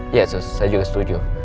iya saya juga setuju